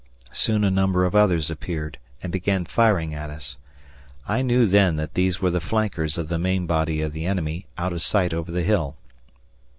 Soon a number of others appeared and began firing at us. I knew then that these were the flankers of the main body of the enemy out of sight over the hill.